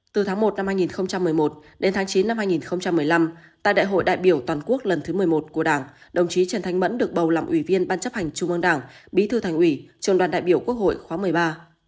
từ tháng một năm hai nghìn một mươi một đến tháng chín năm hai nghìn một mươi năm tại đại hội đại biểu toàn quốc lần thứ một mươi một của đảng đồng chí trần thanh mẫn được bầu làm ủy viên ban chấp hành trung ương đảng bí thư thành ủy trường đoàn đại biểu quốc hội khóa một mươi ba